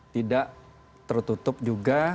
tidak tertutup juga